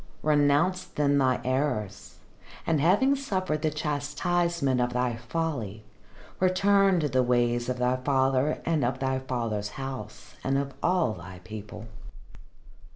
"Renounce then thy errors, and having suffered the chastisement of thy folly, return to the ways of thy father and of thy father's house and of all thy people."